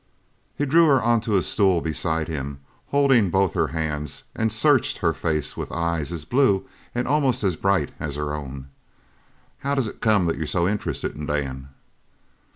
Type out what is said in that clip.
He drew her onto a stool beside him, holding both her hands, and searched her face with eyes as blue and almost as bright as her own. "How does it come that you're so interested in Dan?"